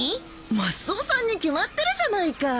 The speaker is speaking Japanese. マスオさんに決まってるじゃないか。